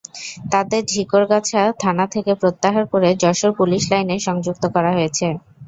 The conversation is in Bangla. তাঁদের ঝিকরগাছা থানা থেকে প্রত্যাহার করে যশোর পুলিশ লাইনে সংযুক্ত করা হয়েছে।